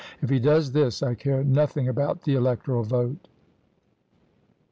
If he does this, I care nothing about the electoral vote."